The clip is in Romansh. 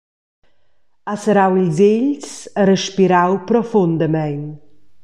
Ha serrau ils egls e respirau profundamein.